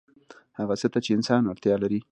هغه څه ته چې انسان اړتیا لري